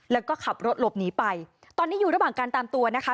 แล้วก็ขับรถหลบหนีไปตอนนี้อยู่ระหว่างการตามตัวนะคะ